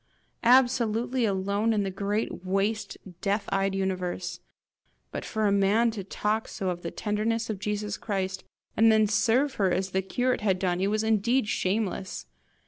absolutely alone in the great waste, death eyed universe! But for a man to talk so of the tenderness of Jesus Christ, and then serve her as the curate had done it was indeed shameless!